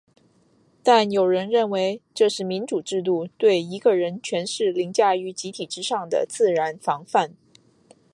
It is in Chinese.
但有人认为这是民主制度对一个人权势凌驾于集体之上的自然防范。